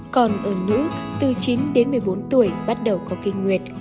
còn ở nữ từ chín đến một mươi bốn tuổi bắt đầu có kinh nguyệt